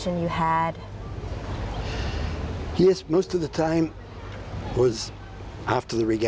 คุณสำคัญมากที่ได้พูดสักครั้ง